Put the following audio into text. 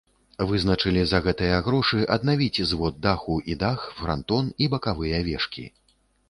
Вызначылі за гэтыя грошы аднавіць звод даху і дах, франтон і бакавыя вежкі.